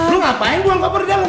lu ngapain buang koper di dalam